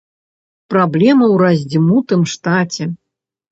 Праблема ў раздзьмутым штаце.